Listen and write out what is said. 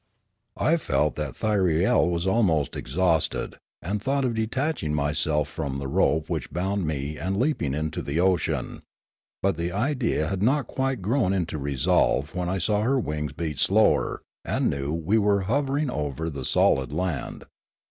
I felt that Thyriel was almost exhausted, and thought of detaching myself from the rope which bound me and leaping into the ocean; but the idea had not quite grown into resolve when I saw her wings beat slower and knew that we were hovering over the solid land.